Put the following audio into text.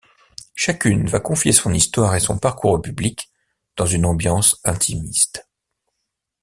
Chacune va confier son histoire et son parcours au public, dans une ambiance intimiste.